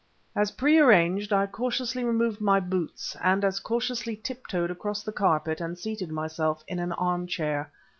As pre arranged, I cautiously removed my boots, and as cautiously tiptoed across the carpet and seated myself in an arm chair.